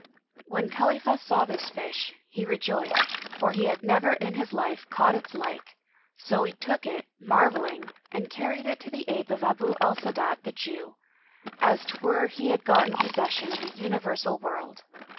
When Khalifah saw this fish, he rejoiced, for he had never in his life caught its like, so he took it, marvelling, and carried it to the ape of Abu al Sa'adat the Jew, as 'twere he had gotten possession of the universal world.